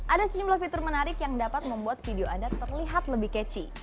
ada sejumlah fitur menarik yang dapat membuat video anda terlihat lebih ketchy